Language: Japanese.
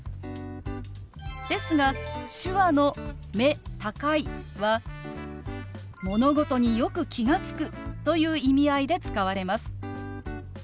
ですが手話の「目高い」は「物事によく気が付く」という意味合いで使われます。